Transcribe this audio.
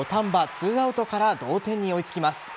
２アウトから同点に追いつきます。